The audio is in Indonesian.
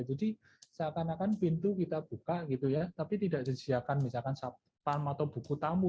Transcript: seakan akan pintu kita buka gitu ya tapi tidak disediakan misalkan sapam atau buku tamu